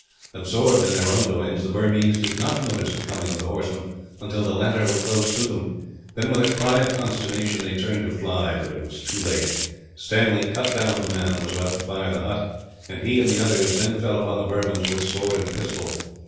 Absorbed in their own doings, the Burmese did not notice the coming of the horsemen until the latter were close to them. Then, with a cry of consternation, they turned to fly; but it was too late. Stanley cut down the man who was about to fire the hut, and he and the others then fell upon the Burmans, with sword and pistol.